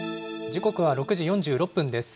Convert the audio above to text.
時刻は６時４６分です。